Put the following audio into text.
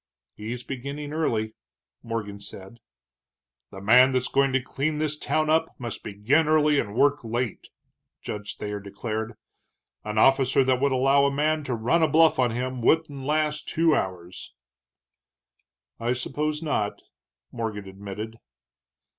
"He's beginning early," Morgan said. "The man that's going to clean this town up must begin early and work late," Judge Thayer declared. "An officer that would allow a man to run a bluff on him wouldn't last two hours." "I suppose not," Morgan admitted.